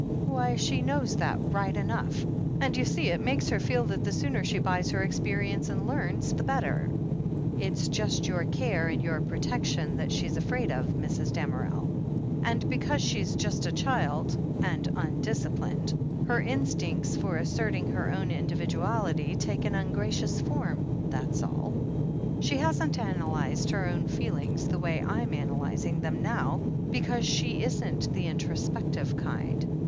"Why, she knows that right enough. And, you see, it makes her feel that the sooner she buys her experience and learns, the better. It's just your care and your protection that's she afraid of, Mrs. Damerel. And because she's just a child, and tmdisciplined, her in stincts for asserting her own individuality take an tm gracious form, that's all. She hasn*t analyzed her own feelings the way I'm analyzing them now, because she isn't the introspective kind.